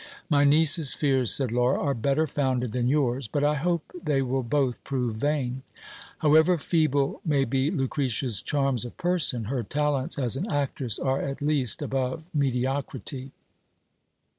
My niece's fears, said Laura, are better founded than yours ; but I hope they will both prove vain : however feeble may be Lucretia's charms of person, her ta lents as an actress are at least above mediocrity.